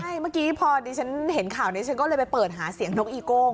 ใช่เมื่อกี้พอดีฉันเห็นข่าวนี้ฉันก็เลยไปเปิดหาเสียงนกอีโก้ง